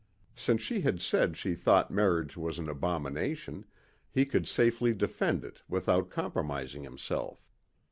Since she had said she thought marriage was an abomination, he could safely defend it without compromising himself.